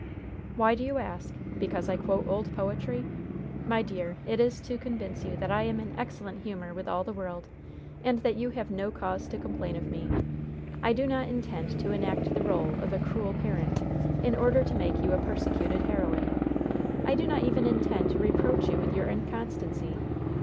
"Why do you ask? Because I quote old poetry? My dear, it is to convince you that I am in excellent humor with all the world, and that you have no cause to complain of me. I do not intend to enact the rôle of a 'cruel parent,' in order to make you a persecuted heroine. I do not even intend to reproach you with your inconstancy!